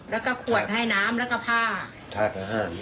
แล้วก็ขวดให้น้ำแล้วก็ผ้าถาดอาหาร